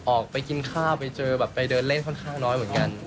ออกไปกินข้าวไปเจอแบบไปเดินเล่นค่อนข้างน้อยเหมือนกัน